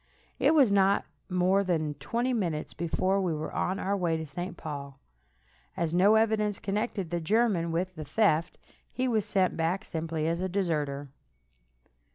It was not more than twenty minutes before we were on our way to St. Paul. As no evidence connected the German with the theft, he was sent back simply as a deserter.